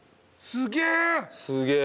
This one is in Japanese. すげえ！